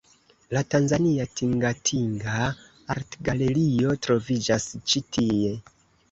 La tanzania Tingatinga Artgalerio troviĝas ĉi tie.